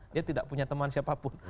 dia tidak punya teman siapapun